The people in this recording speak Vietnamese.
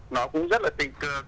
nó cũng rất là tình cực